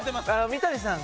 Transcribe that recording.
三谷さん